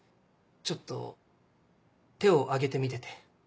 ちょっと手を挙げてみてて。